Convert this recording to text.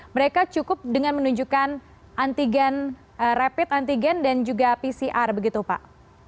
mereka cukup dengan menunjukkan antigen rapid antigen dan juga pcr begitu pak